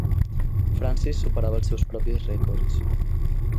Francis superava els seus propis rècords.